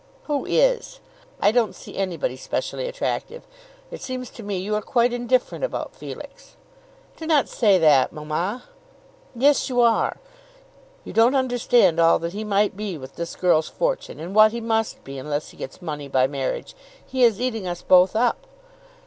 "Who is? I don't see anybody specially attractive. It seems to me you are quite indifferent about Felix." "Do not say that, mamma." "Yes you are. You don't understand all that he might be with this girl's fortune, and what he must be unless he gets money by marriage. He is eating us both up."